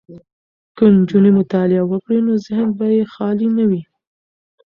که نجونې مطالعه وکړي نو ذهن به یې خالي نه وي.